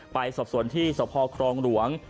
ไปสอบส่วนที่สะพท้อคลองหลวง